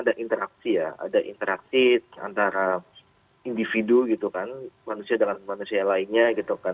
ada interaksi ya ada interaksi antara individu gitu kan manusia dengan manusia lainnya gitu kan